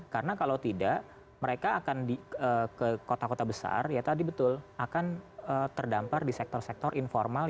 karena kalau tidak mereka akan ke kota kota besar ya tadi betul akan terdampar di sektor sektor informal